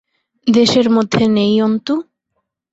দেশ এর মধ্যে নেই অন্তু?